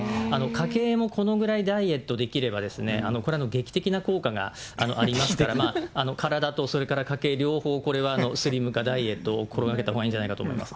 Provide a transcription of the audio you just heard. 家計もこのぐらいダイエットできればですね、これ、劇的な効果がありますから、体と、それから家計両方、これはスリム化、ダイエットを心がけたほうがいいんじゃないかと思います。